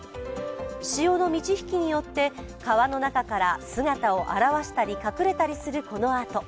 潮の満ち引きによって、川の中から姿を現したり隠れたりする、このアート。